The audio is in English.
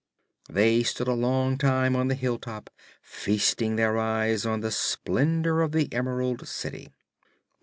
They stood a long time on the hilltop, feasting their eyes on the splendor of the Emerald City.